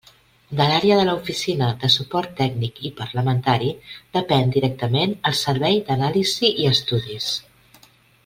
De l'Àrea de l'Oficina de Suport Tècnic i Parlamentari depèn directament el Servei d'Anàlisi i Estudis.